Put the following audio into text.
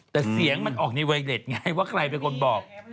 แต่เสียงออกในเวแนนิดไงว่าใครเป็นคนบอก